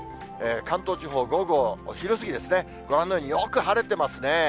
関東地方、午後、お昼過ぎですね、ご覧のように、よく晴れてますね。